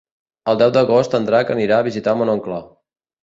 El deu d'agost en Drac anirà a visitar mon oncle.